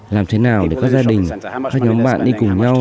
làm thế nào để các gia đình các nhóm bạn đi cùng nhau